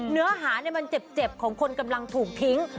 เนื้อหามันเจ็บของคนกำลังถูกทิ้ง